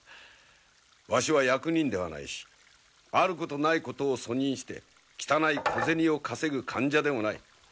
わしは役人ではないしあることないことを訴人して汚い小銭を稼ぐ間者でもない。